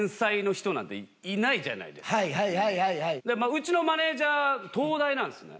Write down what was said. うちのマネージャー東大なんですね。